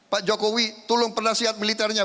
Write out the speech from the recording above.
pak jokowi tolong penasihat militernya